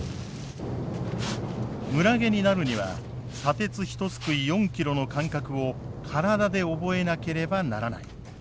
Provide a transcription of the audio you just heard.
村下になるには砂鉄ひとすくい４ｋｇの感覚を体で覚えなければならない。